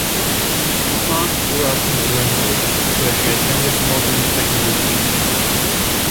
Clark grew up in Toronto, where she attended Northern Secondary School.